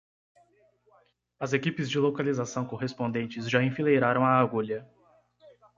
As equipes de localização correspondentes já enfileiraram a agulha.